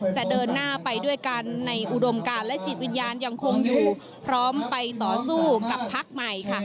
จะเดินหน้าไปด้วยกันในอุดมการและจิตวิญญาณยังคงอยู่พร้อมไปต่อสู้กับพักใหม่ค่ะ